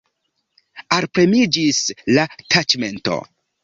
Alpremiĝis la taĉmento.